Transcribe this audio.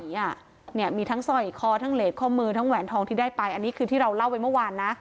เนี่ยมีทั้งสร้อยคอทั้งเลสข้อมือทั้งแหวนทองที่ได้ไปอันนี้คือที่เราเล่าไปเมื่อวานนะ